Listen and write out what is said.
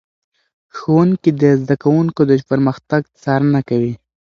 ښوونکي د زده کوونکو د پرمختګ څارنه کوي.